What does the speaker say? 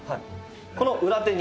この裏手に。